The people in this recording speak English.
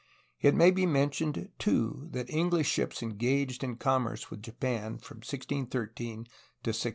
It may be mentioned, too, that English ships engaged in commerce with Japan from 1613 to 1623.